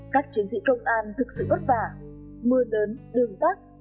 các chiến dị công an thực sự vất vả mưa lớn đường tắt